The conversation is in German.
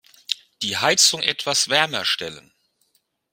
Die Heizung etwas wärmer stellen.